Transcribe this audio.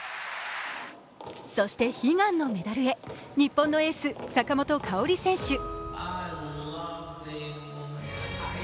そして悲願のメダルへ、日本のエース・坂本花織選手。